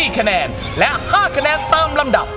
๔คะแนนและ๕คะแนนตามลำดับ